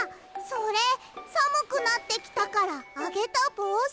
それさむくなってきたからあげたぼうし！